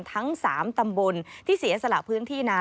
ทั้ง๓ตำบลที่เสียสละพื้นที่นา